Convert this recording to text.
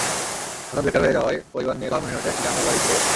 হঠাৎ বেকার হয়ে যাওয়ায় পরিবার নিয়ে লালমনিরহাটে গ্রামের বাড়ি ফিরে গেছেন।